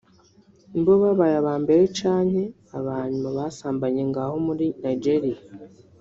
Nibo babaye abambere canke abanyuma basambanye ngaho muri Nigeria